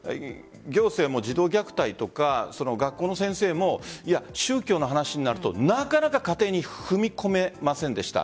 行政も児童虐待とか学校の先生も宗教の話になるとなかなか家庭に踏み込めませんでした。